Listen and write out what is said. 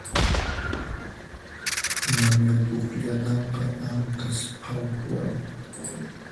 Manuel pukllananqa anqhas pawqarmi